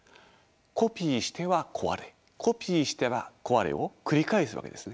コピーしては壊れコピーしては壊れを繰り返すわけですね。